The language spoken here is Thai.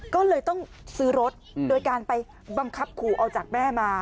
ก็เลยต้องซื้อรถโดยการไปบังคับขู่เอาจากแม่มา